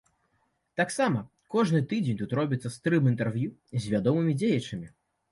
Таксама кожны тыдзень тут робіцца стрым-інтэрв'ю з вядомымі дзеячамі.